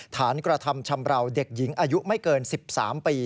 ฐานกระทำชำราวเด็กหญิงอายุไม่เกิน๑๓ปี